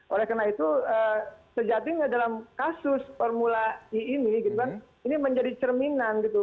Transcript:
oleh karena itu sejatinya dalam kasus formula e ini gitu kan ini menjadi cerminan gitu